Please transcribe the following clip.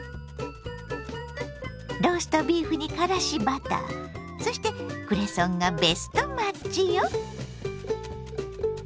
ローストビーフにからしバターそしてクレソンがベストマッチよ。